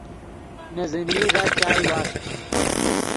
نے زینئی ݱا چائے واست